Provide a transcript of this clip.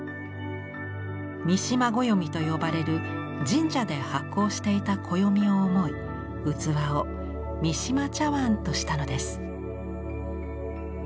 三嶋暦と呼ばれる神社で発行していた暦を思い器を「三島茶碗」としたのです。